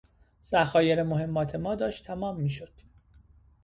ذخایر مهمات ما داشت تهی میشد.